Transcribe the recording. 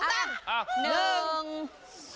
พรุ่งนี้๕สิงหาคมจะเป็นของใคร